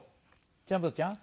ジャンボちゃん？